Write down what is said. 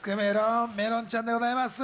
めろんちゃんでございます。